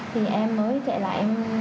thì em mới chạy lại